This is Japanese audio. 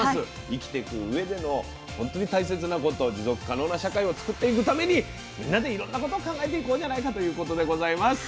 生きていくうえでの本当に大切なこと持続可能な社会を作っていくためにみんなでいろんなことを考えていこうじゃないかということでございます。